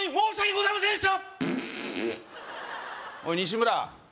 おい西村